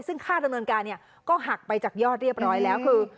ซึ่งค่าดำเนินการเนี่ยก็หักไปจากยอดเรียบร้อยแล้วคือ